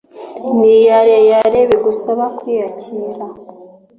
ni yale yale, bigusaba kwiyakira